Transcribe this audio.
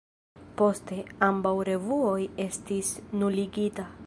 Poste, ambaŭ revuoj estis nuligita.